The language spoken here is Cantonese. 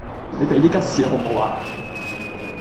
你俾啲吉士啦好無呀